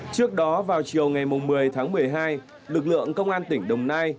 trước đó vào chiều ngày một mươi tháng một mươi hai lực lượng công an tỉnh đồng nai